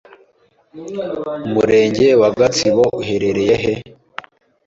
umurenge wa gatsibo uherereye he